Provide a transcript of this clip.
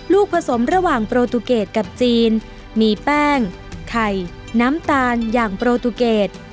ผสมระหว่างโปรตูเกตกับจีนมีแป้งไข่น้ำตาลอย่างโปรตูเกต